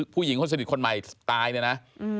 ผู้หญิงคนสนิทคนใหม่ตายเนี่ยนะ